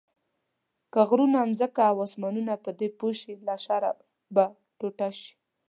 که غرونه، ځمکه او اسمانونه پدې پوه شي له شرمه به ټوټه شي.